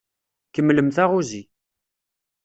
Kemmlem taɣuzi.